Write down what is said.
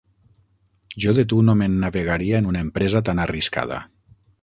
Jo de tu no m'ennavegaria en una empresa tan arriscada!